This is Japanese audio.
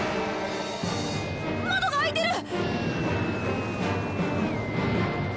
窓が開いてる！